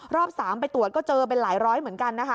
รอบ๓ไปตรวจก็เจอเป็นหลายร้อยเหมือนกันนะคะ